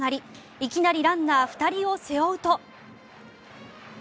いきなりランナー２人を背負うと。